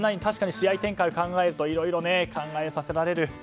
確かに試合展開を考えるといろいろ考えさせられる。